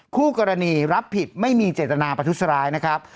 คู่กรณีรับผิดไม่มีเจตนาประทุษร้ายนะครับ